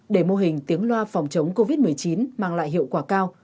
để mô hình tiếng loa phòng chống covid một mươi chín mang lại hiệu quả cao